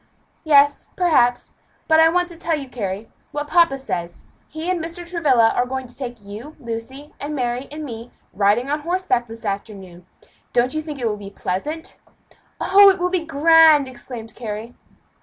"Yes, perhaps but I want to tell you, Carry, what papa says. He and Mr. Travilla are going to take you, and Lucy, and Mary, and me, riding on horseback this afternoon. Don't you think it will be pleasant?" "Oh, it will be grand!" exclaimed Carry.